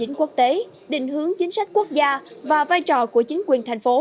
hệ sinh quốc tế định hướng chính sách quốc gia và vai trò của chính quyền thành phố